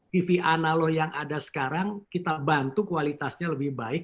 tv analog yang ada sekarang kita bantu kualitasnya lebih baik